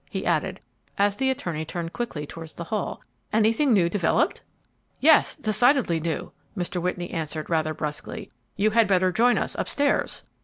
he added, as the attorney turned quickly towards the hall. "Anything new developed?" "Yes; decidedly new!" Mr. Whitney answered, rather brusquely; "you had better join us up stairs!"